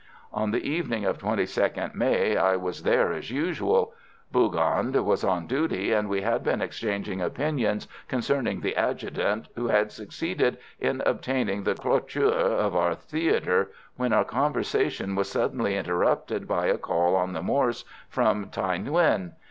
On the evening of 22nd May I was there as usual; Bougand was on duty, and we had been exchanging opinions concerning the adjutant, who had succeeded in obtaining the clôture of our theatre, when our conversation was suddenly interrupted by a call on the Morse from Thaï Nguyen.